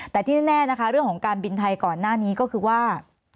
แต่ที่แน่นะคะเรื่องของการบินไทยก่อนหน้านี้ก็คือว่า